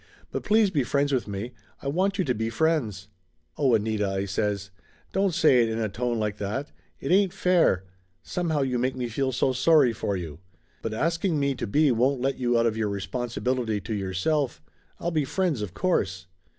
But please be friends with me! I want you to be friends." "Oh, Anita!" I says. "Don't say it in a tone like that. It ain't fair. Somehow you make me feel so sorry for you! But asking me to be won't let you out of your responsibility to yourself. I'll be friends of course."